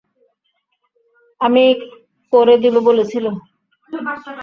আমি করে দিবো বলেছিলো।